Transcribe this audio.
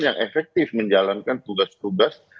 yang efektif menjalankan tugas tugas